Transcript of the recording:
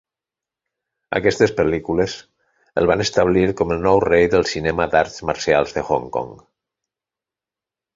Aquestes pel·lícules el van establir com el "nou rei" del cinema d'arts marcials de Hong Kong.